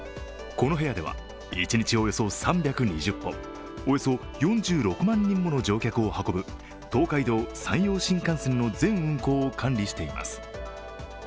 この部屋では一日およそ３２０本、およそ４６万人もの乗客を運ぶ東海道・山陽新幹線の全運行を管理しています。